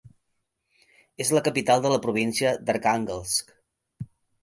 És la capital de la província d'Arkhànguelsk.